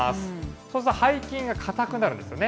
そうすると背筋が硬くなるんですよね。